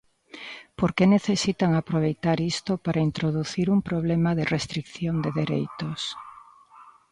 ¿Por que necesitan aproveitar isto para introducir un problema de restrición de dereitos?